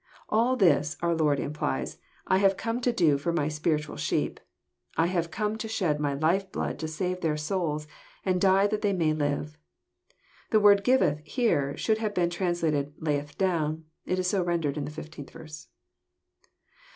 '' All this," our Lord implies, " I have come to do for my spiritual sheep. I have come to shed my life blood to save their souls, to die that they may live." The word " giveth " here should have been translated '' layeth down." It is so rendered in the 15th verse.